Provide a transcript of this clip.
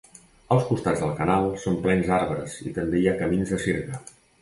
Els costats del canal són plens d'arbres i també hi ha camins de sirga.